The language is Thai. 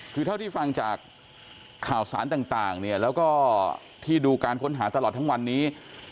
คือเท่าที่ฟังจากข่าวสารต่างเนี่ยแล้วก็ที่ดูการค้นหาตลอดทั้งวันนี้